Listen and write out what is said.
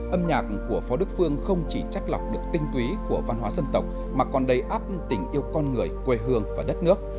âm nhạc của phó đức phương không chỉ trách lọc được tinh túy của văn hóa dân tộc mà còn đầy áp tình yêu con người quê hương và đất nước